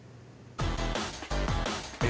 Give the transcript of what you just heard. ・え？